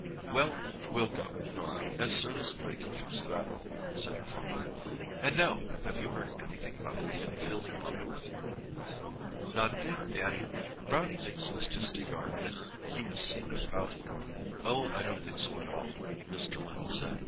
"Well, we'll go, Norah—as soon as I can fix it up," said her father. "And now, have you heard anything about the Winfield murderer?" "Not a thing, Daddy. Brownie thinks it's just a yarn that he was seen about here." "Oh, I don't think so at all," Mr. Linton said.